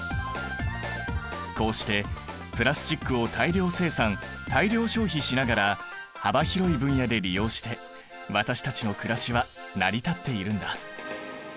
こうしてプラスチックを大量生産大量消費しながら幅広い分野で利用して私たちのくらしは成り立っているんだ。